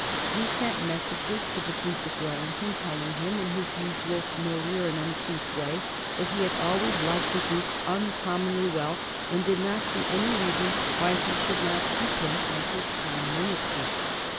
He sent messages to the Duke of Wellington telling him, in his usual familiar and uncouth way, that he had always liked the Duke uncommonly well, and did not see any reason why he should not keep him on as his Prime Minister.